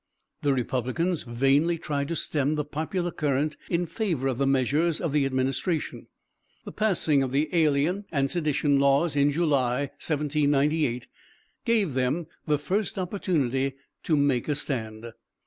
The Republicans vainly tried to stem the popular current in favor of the measures of the administration. The passing of the alien and sedition laws in July, 1798, gave them the first opportunity to make a stand.